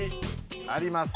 あります。